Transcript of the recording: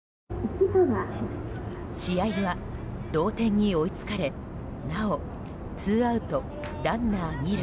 試合は同点に追いつかれなおツーアウトランナー２塁。